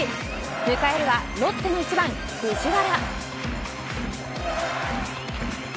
迎えるはロッテの１番藤原。